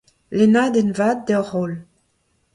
Lennadenn vat deoc'h holl.